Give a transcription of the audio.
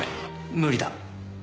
無理だ。